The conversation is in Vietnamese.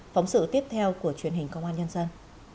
phóng sự tiếp theo của truyền hình công an nhân dân